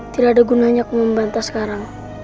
tidak ada gunanya aku membanta sekarang